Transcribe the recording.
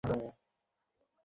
তাই আমি ভেবেছিলাম চেষ্টা করি।